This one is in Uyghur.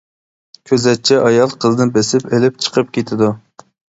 كۆزەتچى ئايال قىزنى بېسىپ ئېلىپ چىقىپ كېتىدۇ.